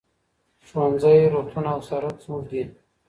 ښوونځی، روغتون او سرک زموږ دي.